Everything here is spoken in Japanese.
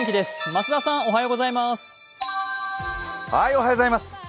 増田さん、おはようございます。